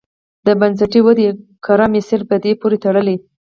د بنسټي ودې کره مسیر په دې پورې تړلی.